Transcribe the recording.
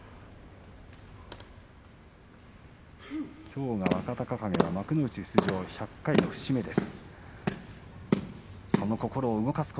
きょうが若隆景は幕内出場１００回の節目です。